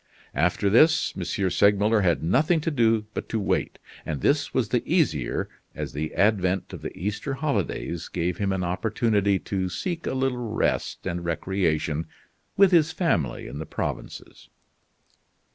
After this, M. Segmuller had nothing to do but to wait, and this was the easier as the advent of the Easter holidays gave him an opportunity to seek a little rest and recreation with his family in the provinces.